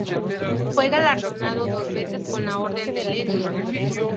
Fue galardonado dos veces con la Orden de Lenin.